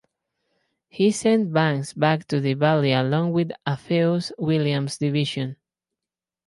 He sent Banks back to the Valley along with Alpheus Williams's division.